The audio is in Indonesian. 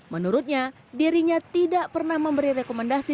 menurutnya dirinya tidak pernah memberi rekomendasi